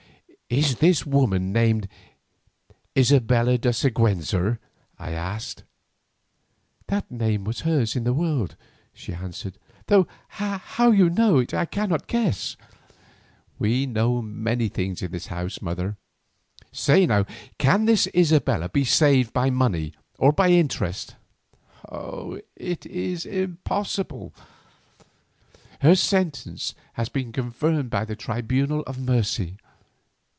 "Is this woman named Isabella de Siguenza?" I asked. "That name was hers in the world," she answered, "though how you know it I cannot guess." "We know many things in this house, mother. Say now, can this Isabella be saved by money or by interest?" "It is impossible; her sentence has been confirmed by the Tribunal of Mercy.